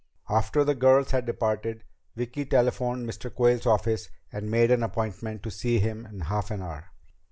After the girls had departed, Vicki telephoned Mr. Quayle's office and made an appointment to see him in half an hour.